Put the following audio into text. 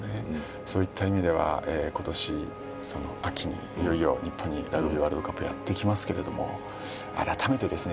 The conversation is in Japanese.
そういった意味では今年秋にいよいよ日本にラグビーワールドカップがやってきますけれども改めてですね